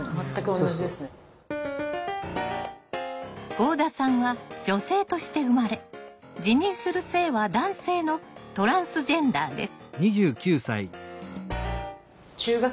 合田さんは女性として生まれ自認する性は男性のトランスジェンダーです。